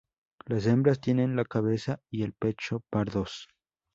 Las hembras tienen la cabeza y el pecho pardos.